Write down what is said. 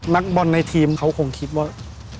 นักบอลในทีมเขาคงคิดว่า